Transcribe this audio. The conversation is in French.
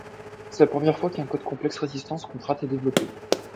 C’est la première fois qu’un code complexe résistance – contrainte est développé.